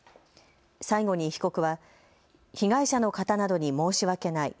最後に被告は被害者の方などに申し訳ない。